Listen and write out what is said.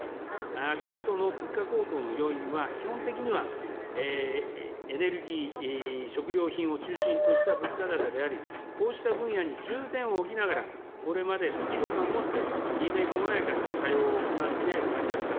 足下の物価高騰の要因は、基本的にはエネルギー、食料品を中心とした物価高であり、こうした分野に重点を置きながら、これまでスピード感を持って、きめ細やかな対応を行ってまいりました。